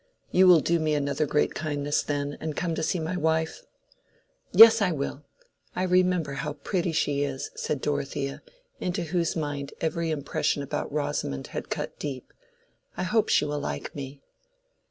You will do me another great kindness, then, and come to see my wife?" "Yes, I will. I remember how pretty she is," said Dorothea, into whose mind every impression about Rosamond had cut deep. "I hope she will like me."